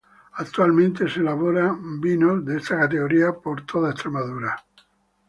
Actualmente se elabora vinos de esta categoría por toda Extremadura.